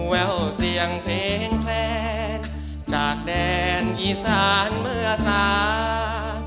แววเสียงเพลงแคลนจากแดนอีสานเมื่อสา